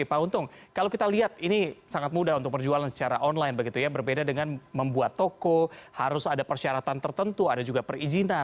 pak untung kalau kita lihat ini sangat mudah untuk perjualan secara online begitu ya berbeda dengan membuat toko harus ada persyaratan tertentu ada juga perizinan